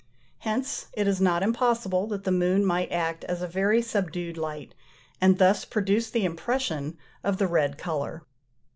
Hence it is not impossible that the moon might act as a very subdued light, and thus produce the impression of the red colour.